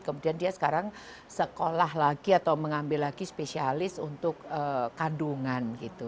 kemudian dia sekarang sekolah lagi atau mengambil lagi spesialis untuk kandungan gitu